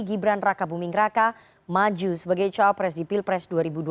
gibran raka buming raka maju sebagai cawapres di pilpres dua ribu dua puluh